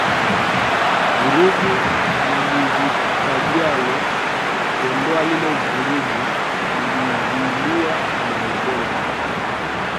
Vurugu lihitajiwalo kuondoa lile vurugu lililozuliwa na ukoloni